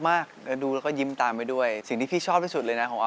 อยากเลือกภาพเจ้าจริง